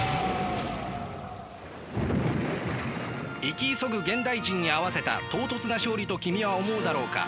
生き急ぐ現代人に合わせた唐突な勝利と君は思うだろうか。